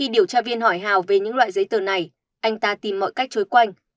điều tra viên hỏi hào về những loại giấy tờ này anh ta tìm mọi cách trốn quanh